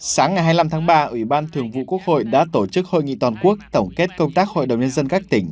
sáng ngày hai mươi năm tháng ba ủy ban thường vụ quốc hội đã tổ chức hội nghị toàn quốc tổng kết công tác hội đồng nhân dân các tỉnh